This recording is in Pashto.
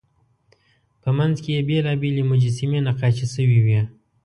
په منځ کې یې بېلابېلې مجسمې نقاشي شوې وې.